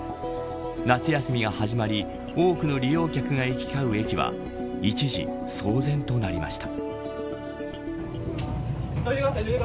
夏休みが始まり多くの利用客が行き交う駅は一時、騒然となりました。